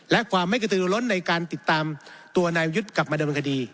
และความไม่กระตือล้นในการติดตามตัวนายยุทธ์กลับมาดำเนินคดี